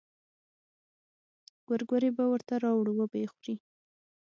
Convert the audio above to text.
ګورګورې به ورته راوړو وبه يې خوري.